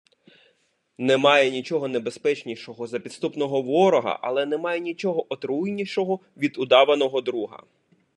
Немає нічого небезпечнішого за підступного ворога, але немає нічого отруйнішого від удаваного друга.